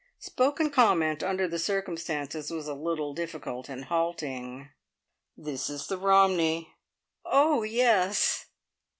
Spoken comment, under the circumstances, was a little difficult and halting! "This is the Romney." "Oh yes."